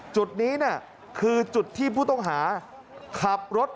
จุดนี้คือจุดที่ผู้ต้องหา